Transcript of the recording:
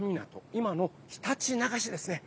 今のひたちなか市ですね。